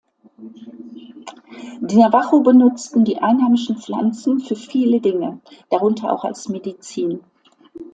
Die Navajo benutzen die einheimischen Pflanzen für viele Dinge, darunter auch als Medizin.